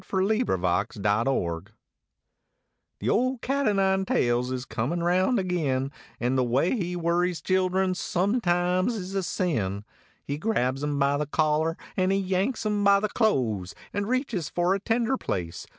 THE CAT O NINE TAILS The old cat o nine tails is coniin round agin, And the way he worries children sometimes is a sin ; He grabs em by the collar, an he yanks em by the clothes, And reaches for a tender place.